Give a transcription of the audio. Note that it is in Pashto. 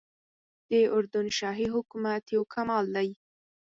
د اردن شاهي حکومت یو کمال دی.